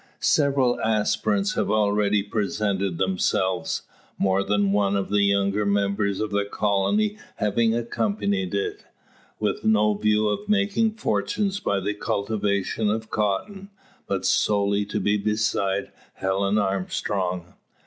Several aspirants have already presented themselves; more than one of the younger members of the colony having accompanied it, with no view of making fortunes by the cultivation of cotton, but solely to be beside Helen Armstrong.